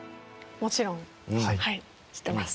もちろんはい知ってます。